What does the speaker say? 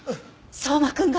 相馬くんが！？